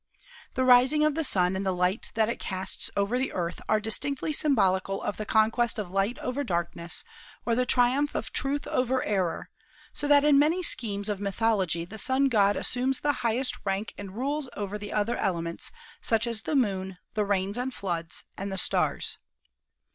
The rising of the Sun and the light that it casts over the Earth are distinctly symbolical of the conquest of light over darkness or the triumph of truth over error, so that in many schemes of mythology the Sun god assumes the highest rank and rules over the other elements, such as the Moon, the rains and floods and the stars.